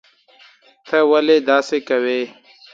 ته ولي داسي کوي